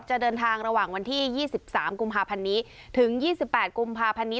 จะเดินทางระหว่างวันที่๒๓กุมภาพันธ์นี้ถึง๒๘กุมภาพันธ์นี้